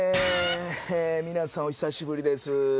皆さんお久しぶりです。